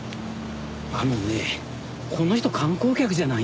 あのねこの人観光客じゃないんだわ。